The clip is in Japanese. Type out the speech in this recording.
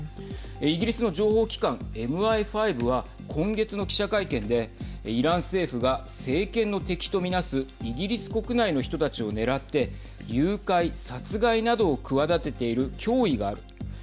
イギリスの情報機関ＭＩ５は、今月の記者会見でイラン政府は政権の敵と見なすイギリス国内の人たちを狙って誘拐、殺害などを企てている脅威がある。